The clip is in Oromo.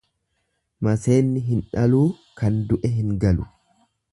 Maseenni hin dhaluu kan du'e hin galu.